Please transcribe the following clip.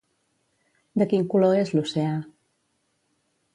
De quin color és l'oceà?